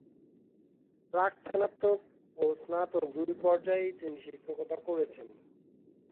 প্রাক-স্নাতক ও স্নাতক দুই পর্যায়েই তিনি শিক্ষকতা করছেন।